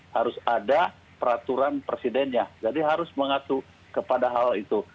harus ada peraturan presidennya jadi harus mengacu kepada hal itu